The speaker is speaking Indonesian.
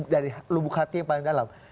dari lubuk hati yang paling dalam